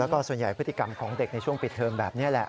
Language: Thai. แล้วก็ส่วนใหญ่พฤติกรรมของเด็กในช่วงปิดเทอมแบบนี้แหละ